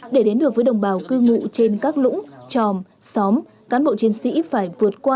để đến được với đồng bào cư ngụ trên các lũng tròm xóm cán bộ chiến sĩ phải vượt qua